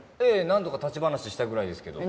何度か立ち話したぐらいですけど。